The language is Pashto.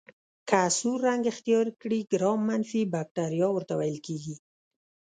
که سور رنګ اختیار کړي ګرام منفي بکټریا ورته ویل کیږي.